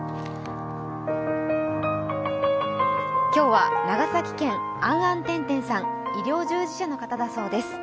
今日は長崎県、あんあんてんてんさん医療従事者の方だそうです。